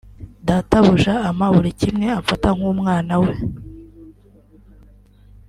Databuja ampa buri kimwe amfata nk’umwana we